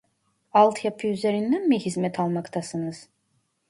Alt yapı üzerinden mi hizmet almaktasınız ?